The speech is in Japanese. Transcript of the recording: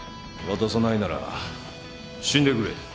渡さないなら死んでくれ。